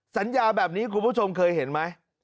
สัญญาแบบนี้คุณผู้ชมเคยเห็นไหม